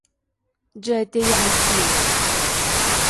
جادهی اصلی